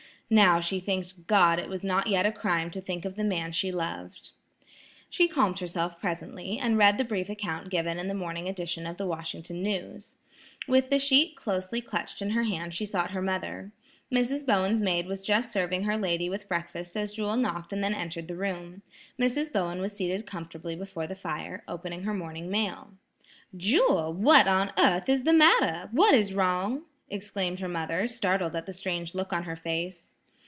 Now, she thanked God it was not yet a crime to think of the man she loved. She calmed herself presently, and read the brief account given in the morning edition of the "Washington News." With the sheet closely clutched in her hand she sought her mother. Mrs. Bowen's maid was just serving her lady with breakfast as Jewel knocked and then entered the room. Mrs. Bowen was seated comfortably before the fire, opening her morning mail. "Jewel, what on earth is the matter? What is wrong?" exclaimed her mother, startled at the strange look on her face.